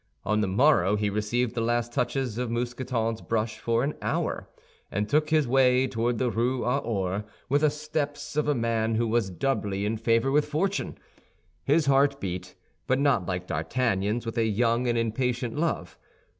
On the morrow he received the last touches of Mousqueton's brush for an hour, and took his way toward the Rue aux Ours with the steps of a man who was doubly in favor with fortune. His heart beat, but not like D'Artagnan's with a young and impatient love.